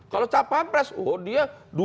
kalau capres oh dia